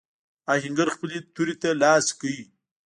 آهنګر خپلې تورې ته لاس کړ.